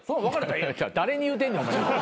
誰に言うてんねんお前。